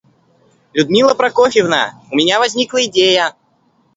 Людмила Прокофьевна, у меня возникла идея.